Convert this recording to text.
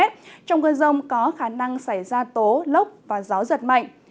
trong cơn rông có khả năng xảy ra tố lốc và gió giật mạnh